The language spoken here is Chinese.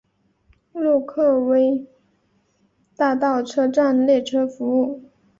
洛克威大道车站列车服务。